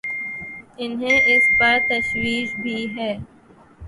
انہیں اس پر تشویش بھی ہے۔